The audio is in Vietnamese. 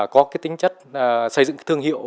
có cái tính chất xây dựng thương hiệu